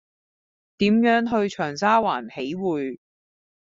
點樣去長沙灣喜薈